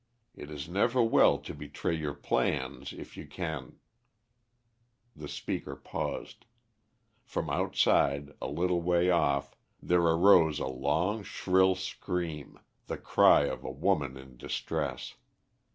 It is never well to betray your plans if you can " The speaker paused. From outside a little way off there arose a long, shrill scream, the cry of a woman in distress.